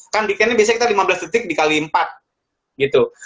kan bikinnya biasanya kita lima belas detik dikali empat gitu